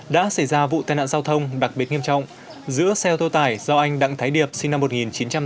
đã xảy ra vụ tai nạn giao thông đặc biệt nghiêm trọng giữa xe ô tô tải do anh đặng thái điệp sinh năm một nghìn chín trăm tám mươi